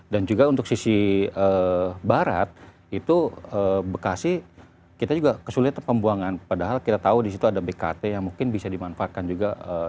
dan juga untuk sisi barat itu bekasi kita juga kesulitan pembuangan padahal kita tahu di situ ada bkt yang mungkin bisa dimanfaatkan juga